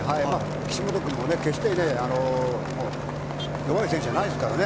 岸本君も決して弱い選手じゃないですから。